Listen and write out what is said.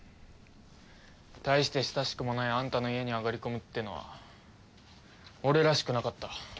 大して親しくもないあんたの家に上がり込むってのは俺らしくなかった。